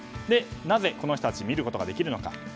なぜこの人たち見ることができるのか。